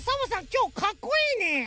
きょうかっこいいね。